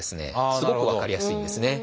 すごく分かりやすいんですね。